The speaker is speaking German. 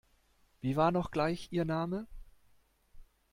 Wie war noch gleich Ihr Name?